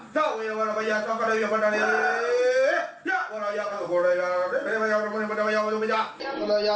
ใจมันชินกาว่าโลยะ